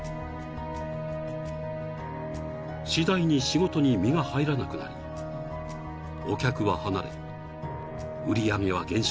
［次第に仕事に身が入らなくなりお客は離れ売り上げは減少］